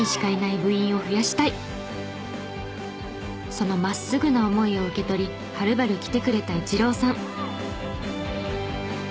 その真っすぐな思いを受け取りはるばる来てくれたイチローさん。